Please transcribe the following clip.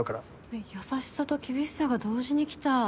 え優しさと厳しさが同時にきた。